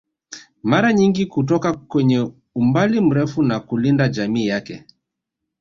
Mara nyingi kutoka kwenye umbali mrefu na kulinda jamii yake